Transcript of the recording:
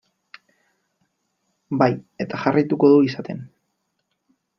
Bai, eta jarraituko du izaten.